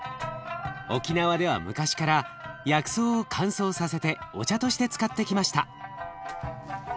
沖縄では昔から薬草を乾燥させてお茶として使ってきました。